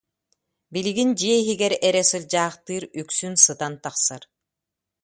Билигин дьиэ иһигэр эрэ сылдьаахтыыр, үксүн сытан тахсар